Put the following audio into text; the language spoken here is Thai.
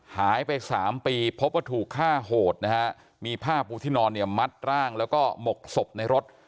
หายไป๓ปีพบว่าถูกฆ่าโหดมีผ้าปูทีนอนมัดร่างและก็หมกศพในรถ